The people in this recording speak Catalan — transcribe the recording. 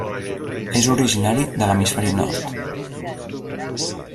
És originari de l'hemisferi nord.